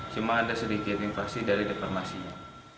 cuma ada sedikit invasi dari deformasinya